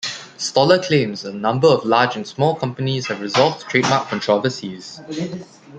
Stoller claims a number of large and small companies have resolved trademark controversies.